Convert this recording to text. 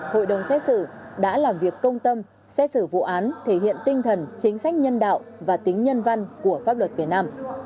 hội đồng xét xử đã làm việc công tâm xét xử vụ án thể hiện tinh thần chính sách nhân đạo và tính nhân văn của pháp luật việt nam